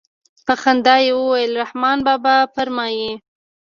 په خندا يې وويل رحمان بابا فرمايي.